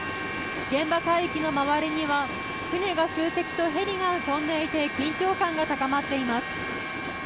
現場海域の周りには船が数隻とヘリが飛んでいて緊張感が高まっています。